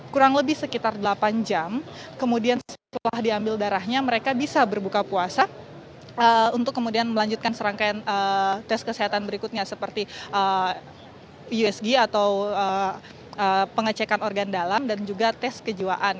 kurang lebih sekitar delapan jam kemudian setelah diambil darahnya mereka bisa berbuka puasa untuk kemudian melanjutkan serangkaian tes kesehatan berikutnya seperti usg atau pengecekan organ dalam dan juga tes kejiwaan